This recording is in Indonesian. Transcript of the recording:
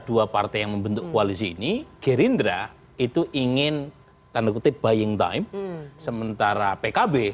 dua partai yang membentuk koalisi ini gerindra itu ingin tanda kutip buying time sementara pkb